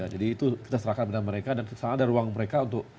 jadi itu kita serahkan kepada mereka dan kesana ada ruang mereka untuk